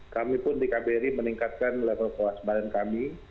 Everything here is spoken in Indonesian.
kami pun di kbri meningkatkan level kewaspadaan kami